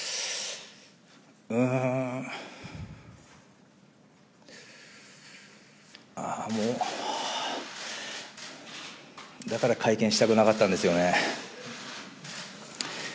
うーん。ああ、もう、だから会見したくなかったんですよね。